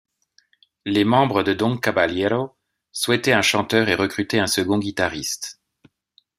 Les membres de Don Caballero souhaitait un chanteur, et recruter un second guitariste.